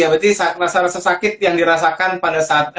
ya berarti rasa rasa sakit yang dirasakan pada saat